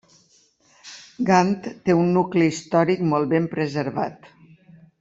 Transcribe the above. Gant té un nucli històric molt ben preservat.